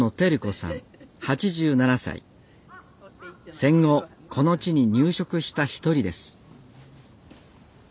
戦後この地に入植した一人です